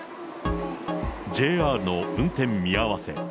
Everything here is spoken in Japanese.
ＪＲの運転見合わせ。